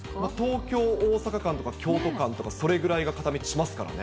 東京・大阪間とか、京都間とか、それぐらいが片道しますからね。